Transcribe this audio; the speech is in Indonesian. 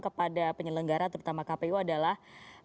kepada penyelenggara terutama kpu adalah